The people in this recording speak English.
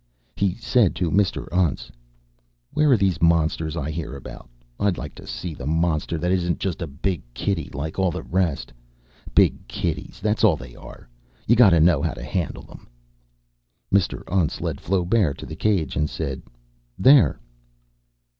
He said to Mr. Untz, "Where are these monsters I hear about? I'd like to see the monster that isn't just a big kitty, like all the rest. Big kitties, that's all they are. You gotta know how to handle them." Mr. Untz led Flaubert to the cage and said, "There."